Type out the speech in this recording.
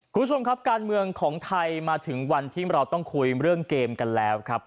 คุณผู้ชมครับการเมืองของไทยมาถึงวันที่เราต้องคุยเรื่องเกมกันแล้วครับ